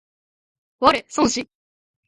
我孫子